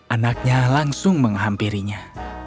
anaknya langsung menghampirinya